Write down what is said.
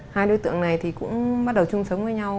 hai đối tượng này thì cũng bắt đầu chung sống với nhau